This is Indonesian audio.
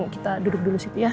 kita duduk dulu di situ ya